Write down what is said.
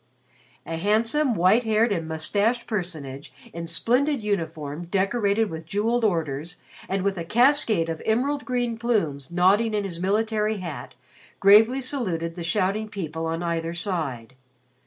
A handsome white haired and mustached personage in splendid uniform decorated with jeweled orders and with a cascade of emerald green plumes nodding in his military hat gravely saluted the shouting people on either side.